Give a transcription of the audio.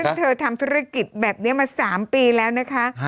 ซึ่งเธอทำธุรกิจแบบนี้มา๓ปีแล้วนะคะ